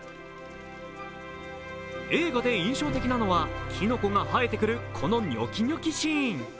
映画で印象的なのは、きのこが生えてくるこのにょきにょきシーン。